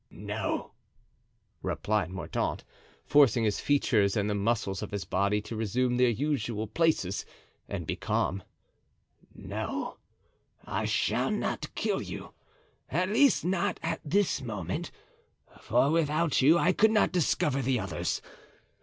"No," replied Mordaunt, forcing his features and the muscles of his body to resume their usual places and be calm; "no, I shall not kill you; at least not at this moment, for without you I could not discover the others.